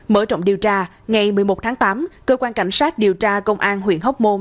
mở rộng điều tra ngày một mươi một tháng tám cơ quan cảnh sát điều tra công an huyện hóc môn